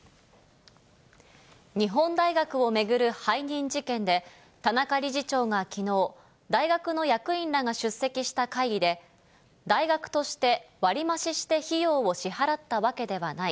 日本大学を巡る背任事件で、田中理事長がきのう、大学の役員らが出席した会議で、大学として割り増しして費用を支払ったわけではない。